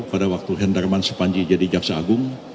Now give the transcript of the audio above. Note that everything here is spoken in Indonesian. pada waktu henderman sepanji jadi jaksa agung